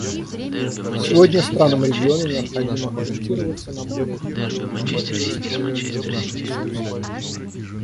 Сегодня странам региона необходимо ориентироваться на более эффективные методы использования водных ресурсов.